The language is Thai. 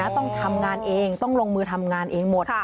ต้องทำงานเองต้องลงมือทำงานเองหมด